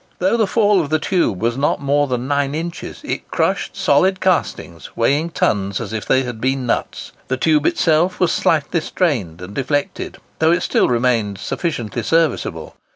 Though the fall of the tube was not more than nine inches, it crushed solid castings, weighing tons, as if they had been nuts. The tube itself was slightly strained and deflected, though it still remained sufficiently serviceable.